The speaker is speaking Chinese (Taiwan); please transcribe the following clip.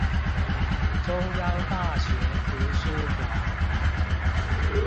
中央大學圖書館